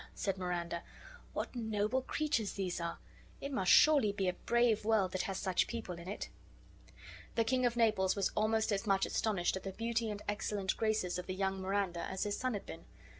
said Miranda, "what noble creatures these are! It must surely be a brave world that has such people in it." The King of Naples was almost as much astonished at the beauty and excellent graces of the young Miranda as his son had been.